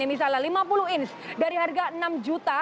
misalnya lima puluh inch dari harga enam juta